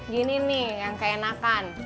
gini nih yang keenakan